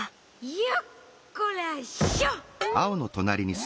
よっこらしょ！